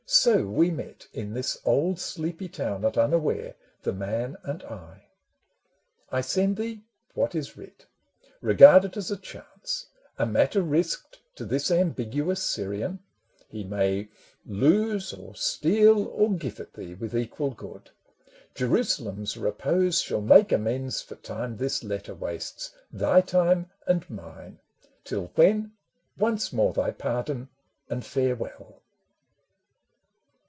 So we met In this old sleepy town at unaware, The man and I. I send thee what is writ. 198 MEN AND WOMEN Regard it as a chance, a matter risked To this ambiguous Syrian — he may lose, Or steal, or give it thee with equal good. Jerusalem's repose shall make amends For time this letter wastes, thy time and mine ; Till when, once more thy pardon and farewell